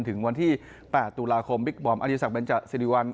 ถึงวันที่๘ตุลาคมบิ๊กบอร์มอาริสักเบนจาซิริวัล